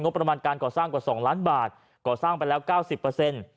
ประมาณการก่อสร้างกว่า๒ล้านบาทก่อสร้างไปแล้วเก้าสิบเปอร์เซ็นต์